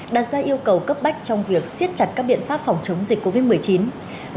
đặt ra yêu cầu cấp bách trong việc siết chặt các biện pháp phòng chống dịch covid một mươi chín